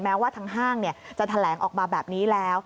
แม้ว่าทางห้างจะแถลงออกมาแบบนี้แล้ว